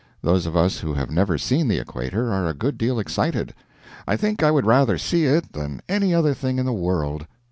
Those of us who have never seen the equator are a good deal excited. I think I would rather see it than any other thing in the world.